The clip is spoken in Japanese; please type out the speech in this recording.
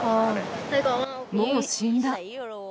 もう死んだ。